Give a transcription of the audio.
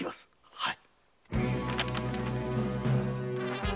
はい。